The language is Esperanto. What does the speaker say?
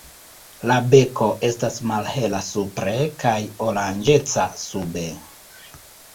La beko estas malhela supre kaj oranĝeca sube.